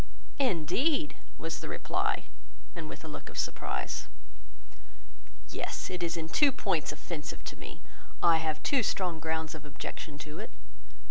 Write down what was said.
"Indeed!" was the reply, and with a look of surprise. "Yes; it is in two points offensive to me; I have two strong grounds of objection to it.